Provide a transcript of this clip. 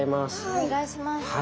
おねがいします。